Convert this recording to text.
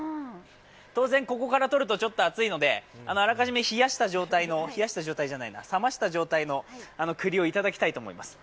当然ここから取ると、ちょっと熱いのであらかじめ冷ました状態の栗をいただきたいと思います。